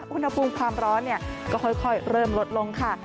อุณหภูมิความร้อนก็ค่อยเริ่มลดลงค่ะ